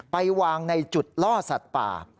ไปวางในจุดล่อสัตว์ป่า